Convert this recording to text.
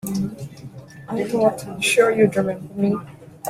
I thought sure you'd remember me.